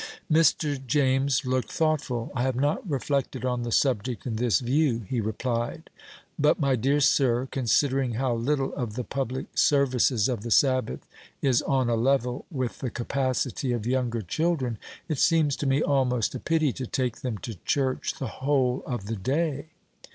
Mr. James looked thoughtful. "I have not reflected on the subject in this view," he replied. "But, my dear sir, considering how little of the public services of the Sabbath is on a level with the capacity of younger children, it seems to me almost a pity to take them to church the whole of the day."